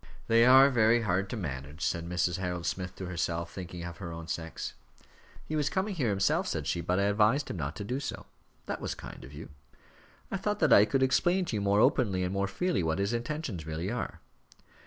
"They are very hard to manage," said Mrs. Harold Smith to herself, thinking of her own sex. "He was coming here himself," said she, "but I advised him not to do so." "That was so kind of you." "I thought that I could explain to you more openly and more freely, what his intentions really are."